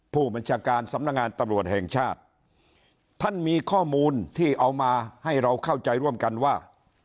ผู้บัญชาการสำนักงานตำรวจแห่งชาติท่านมีข้อมูลที่เอามาให้เราเข้าใจร่วมกันว่า